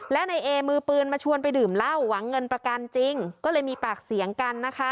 และในเอมือปืนมาชวนไปดื่มเหล้าหวังเงินประกันจริงก็เลยมีปากเสียงกันนะคะ